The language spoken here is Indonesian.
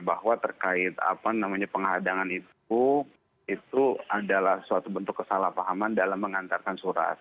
bahwa terkait penghadangan itu itu adalah suatu bentuk kesalahpahaman dalam mengantarkan surat